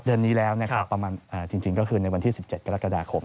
เดือนนี้แล้วนะครับประมาณจริงก็คือในวันที่๑๗กรกฎาคม